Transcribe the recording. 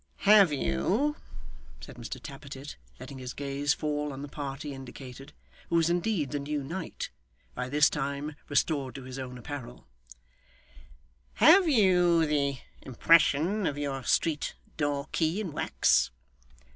'Have you,' said Mr Tappertit, letting his gaze fall on the party indicated, who was indeed the new knight, by this time restored to his own apparel; 'Have you the impression of your street door key in wax?